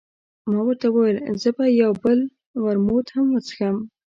ما ورته وویل، زه به یو بل ورموت هم وڅښم.